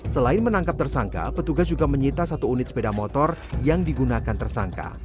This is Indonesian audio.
selain menangkap tersangka petugas juga menyita satu unit sepeda motor yang digunakan tersangka